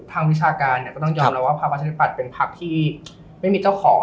วิชาการเนี่ยก็ต้องยอมรับว่าพักประชาธิปัตย์เป็นพักที่ไม่มีเจ้าของ